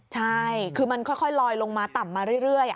ใช่คือมันค่อยลอยลงมาต่ำมาเรื่อย